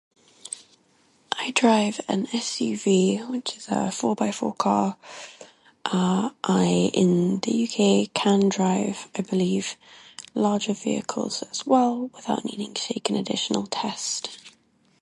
I drive an SUV, which is a four-by-four car, I in the UK I believe I can drive larger vehicles as well without needing to take an additional test.